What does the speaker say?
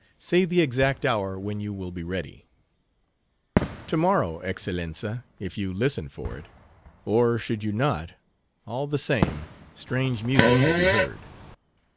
Say the exact hour when you will be ready." "To morrow, Excellenza, if you listen for it,—or should you not, all the same—strange music will be heard.